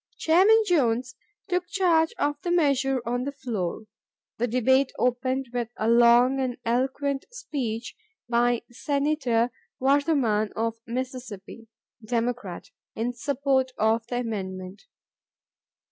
Chairman Jones took charge of the measure on the floor. The debate opened with a long and eloquent. speech by Senator Vardaman of Mississippi, Democrat, in support of the amendment.